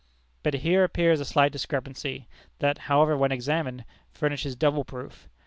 But here appears a slight discrepancy, that, however, when examined, furnishes double proof.